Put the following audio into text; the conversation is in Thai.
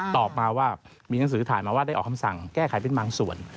ตอบมาว่ามีหนังสือถ่ายมาว่าได้ออกคำสั่งแก้ไขเป็นบางส่วน